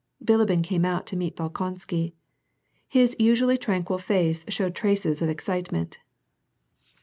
Bilibin came out to meet Bolkonsky. His usually tranquil face showed traces of excitement.